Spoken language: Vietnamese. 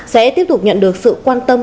sẽ tiếp tục nhận được sự quan tâm